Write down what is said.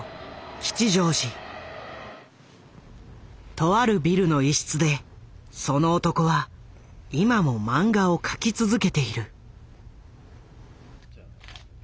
とあるビルの一室でその男は今も漫画を描き続けている。